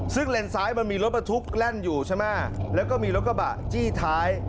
ซึ่งเลนซ้ายมันมีรถบรรทุกแล่นอยู่ใช่ไหมแล้วก็มีรถกระบะจี้ท้าย